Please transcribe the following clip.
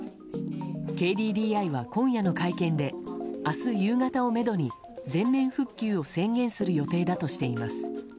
ＫＤＤＩは今夜の会見で明日夕方をめどに、全面復旧を宣言する予定だとしています。